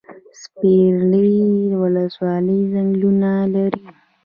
سپیرې ولسوالۍ ځنګلونه لري؟